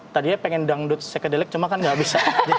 tadinya pengen dangdut sekedelik cuma kan gak bisa